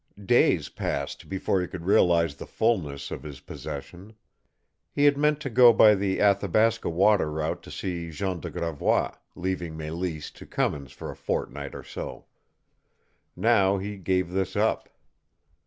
Days passed before he could realize the fullness of his possession. He had meant to go by the Athabasca water route to see Jean de Gravois, leaving Mélisse to Cummins for a fortnight or so. Now he gave this up.